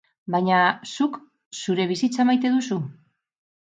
Baina, zuk zure bizitza maite duzu?